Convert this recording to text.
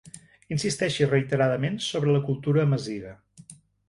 Insisteixi reiteradament sobre la cultura amaziga.